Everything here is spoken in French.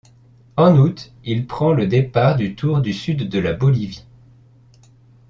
En août, il prend le départ du Tour du sud de la Bolivie.